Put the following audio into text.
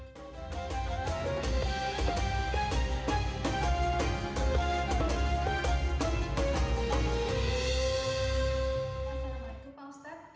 assalamu'alaikum pak ustadz